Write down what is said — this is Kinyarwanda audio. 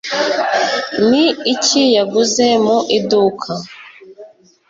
ni iki yaguze mu iduka